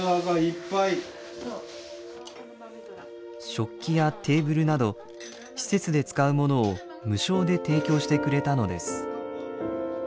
食器やテーブルなど施設で使うものを無償で提供してくれたのです。